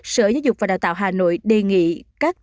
sở giáo dục và đào tạo hà nội đề nghị các